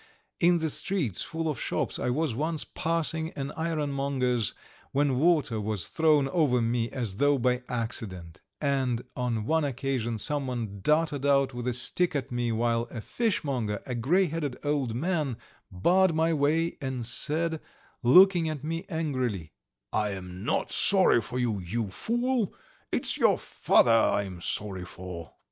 In the streets full of shops I was once passing an ironmonger's when water was thrown over me as though by accident, and on one occasion someone darted out with a stick at me, while a fishmonger, a grey headed old man, barred my way and said, looking at me angrily: "I am not sorry for you, you fool! It's your father I am sorry for."